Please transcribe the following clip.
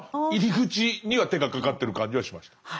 入り口には手がかかってる感じはしました。